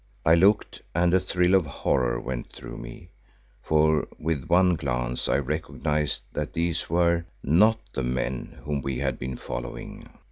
I looked and a thrill of horror went through me, for with one glance I recognised that these were not the men whom we had been following.